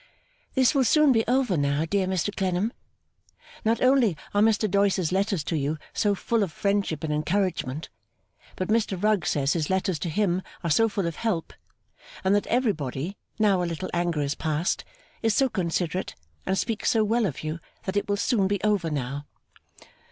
'This will soon be over now, dear Mr Clennam. Not only are Mr Doyce's letters to you so full of friendship and encouragement, but Mr Rugg says his letters to him are so full of help, and that everybody (now a little anger is past) is so considerate, and speaks so well of you, that it will soon be over now.